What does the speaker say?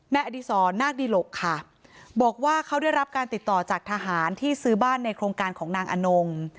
อดีศรนาคดีหลกค่ะบอกว่าเขาได้รับการติดต่อจากทหารที่ซื้อบ้านในโครงการของนางอนง